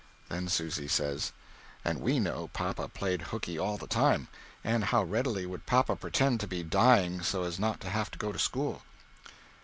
Then Susy says: And we know papa played "Hookey" all the time. And how readily would papa pretend to be dying so as not to have to go to school!